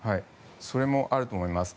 それもあると思います。